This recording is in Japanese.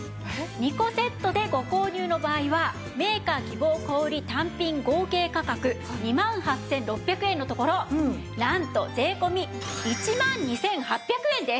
２個セットでご購入の場合はメーカー希望小売単品合計価格２万８６００円のところなんと税込１万２８００円です。